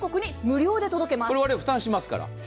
これ、我々負担しますから。